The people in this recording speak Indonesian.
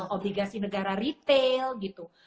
obligasi negara retail gitu